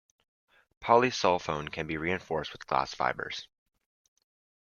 Polysulfone can be reinforced with glass fibers.